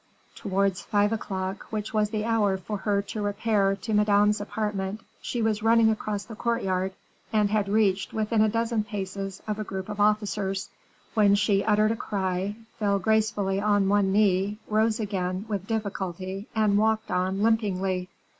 Towards five o'clock, which was the hour for her to repair to Madame's apartment, she was running across the courtyard, and had reached within a dozen paces of a group of officers, when she uttered a cry, fell gracefully on one knee, rose again, with difficulty, and walked on limpingly.